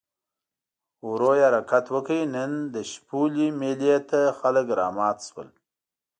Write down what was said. ورو یې حرکت وکړ، نن د شپولې مېلې ته خلک رامات شول.